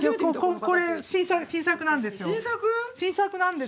これ新作なんですよ。